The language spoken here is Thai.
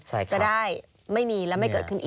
จะได้ไม่มีและไม่เกิดขึ้นอีก